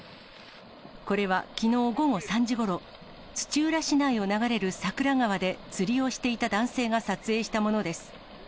これはきのう午後３時ごろ、土浦市内を流れる桜川で釣りをしていた男性が撮影したものです。